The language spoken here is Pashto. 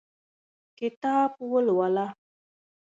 کتاب ولوله !